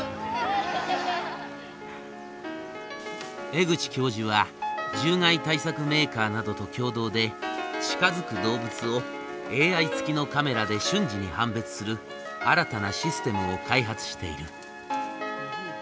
江口教授は獣害対策メーカーなどと共同で近づく動物をＡＩ付きのカメラで瞬時に判別する新たなシステムを開発している。